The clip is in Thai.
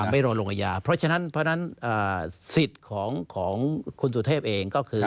ไม่ร้องลงอาญญาเพราะฉะนั้นพออันสิทธิ์ของคุณสุทธิพย์เองก็คือครับ